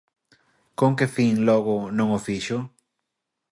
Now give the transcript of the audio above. ¿Con que fin, logo, non o fixo?